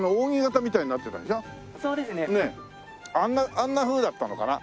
あんなふうだったのかな？